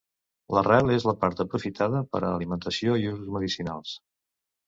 L'arrel és la part aprofitada per a alimentació i usos medicinals.